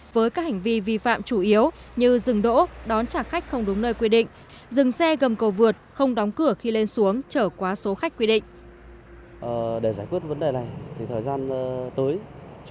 với các hành vi vi phạm chủ yếu như dừng đỗ đón trả khách không đúng nơi quy định dừng xe gầm cầu vượt không đóng cửa khi lên xuống trở quá số khách quy định